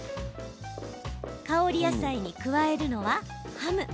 香り野菜に加えるのはハム。